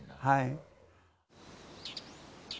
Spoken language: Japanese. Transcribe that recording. はい。